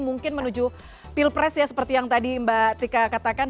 mungkin menuju pilpres ya seperti yang tadi mbak tika katakan